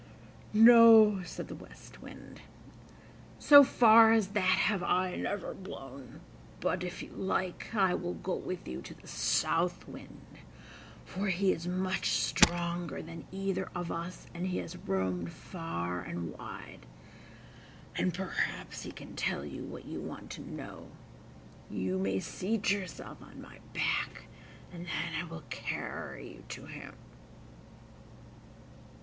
"No," said the West Wind; "so far as that have I never blown; but if you like I will go with you to the South Wind, for he is much stronger than either of us, and he has roamed far and wide, and perhaps he can tell you what you want to know. You may seat yourself on my back, and then I will carry you to him.".